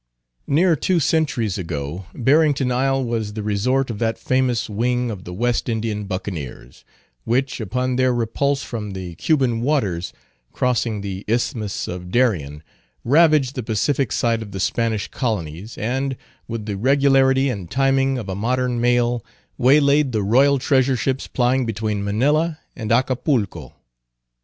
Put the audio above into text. Near two centuries ago Barrington Isle was the resort of that famous wing of the West Indian Buccaneers, which, upon their repulse from the Cuban waters, crossing the Isthmus of Darien, ravaged the Pacific side of the Spanish colonies, and, with the regularity and timing of a modern mail, waylaid the royal treasure ships plying between Manilla and Acapulco.